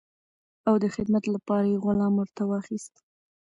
او د خدمت لپاره یې غلام ورته واخیست.